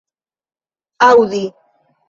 aŭdi